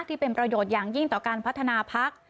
ที่เป็นประโยชน์อย่างยิ่งต่อการพัฒนาพัก